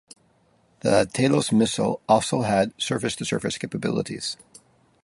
The Talos missile also had surface-to-surface capabilities.